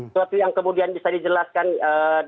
suatu yang kemudian bisa dijelaskan dari anggota dpr